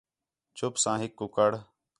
چُپ ساں ہِک کُکڑ